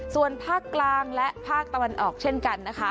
ส่วนภาคกลางและภาคตะวันออกเช่นกันนะคะ